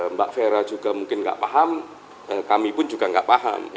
mbak vera juga mungkin nggak paham kami pun juga nggak paham